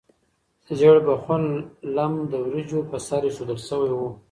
ژیړبخون لم د وریجو په سر ایښودل شوی و.